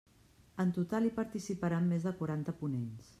En total, hi participaran més de quaranta ponents.